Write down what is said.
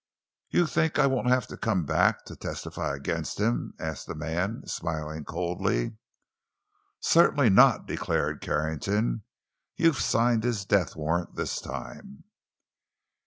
"You think I won't have to come back—to testify against him?" asked the man, smiling coldly. "Certainly not!" declared Carrington. "You've signed his death warrant this time!"